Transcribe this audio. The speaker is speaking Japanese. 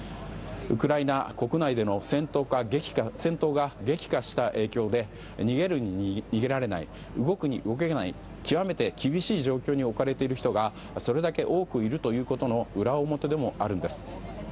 ウクライナ国内での戦闘が激化した影響で逃げるに逃げられない動くに動けない極めて厳しい状況に置かれている人がそれだけ多くいるということの裏表でもあるんです。